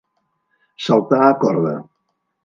Saltar a corda.